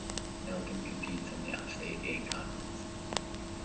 Elgin competes in the Upstate Eight Conference.